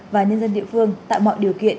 và nhân dân địa phương tạo mọi điều kiện